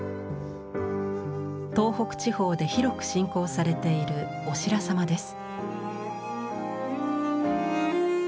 東北地方で広く信仰されているオシラサマです。